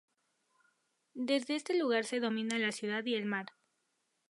Desde este lugar se domina la ciudad y el mar.